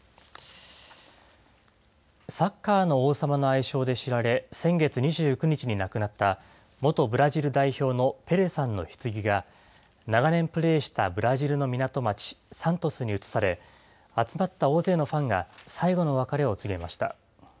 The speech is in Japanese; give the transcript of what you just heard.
サッカーの王様の愛称で知られ、先月２９日に亡くなった元ブラジル代表のペレさんのひつぎが、長年プレーしたブラジルの港町、サントスに移され、集まった大勢のファンが最後の別れを告げました。